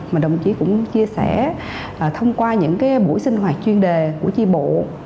mà đồng chí cũng chia sẻ thông qua những buổi sinh hoạt chuyên đề của chi bộ